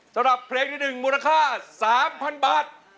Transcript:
สำหรับเพลงที่๑มูลค่า๓๐๐๐บาท